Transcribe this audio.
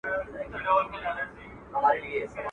دوې هندوانې په يوه لاس کي نه نيول کېږي.